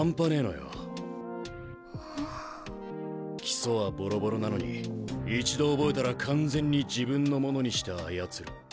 基礎はボロボロなのに一度覚えたら完全に自分のものにして操る。